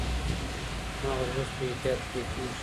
مغز اوس په احتیاط پرې کېږي.